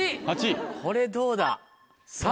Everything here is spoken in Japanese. これどうだ？